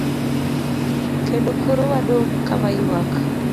Kendo koro wadong' kawaywak.